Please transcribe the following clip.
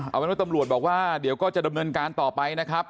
เอาเป็นว่าตำรวจบอกว่าเดี๋ยวก็จะดำเนินการต่อไปนะครับ